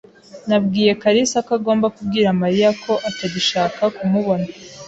Nabwiye kalisa ko agomba kubwira Mariya ko atagishaka kumubona.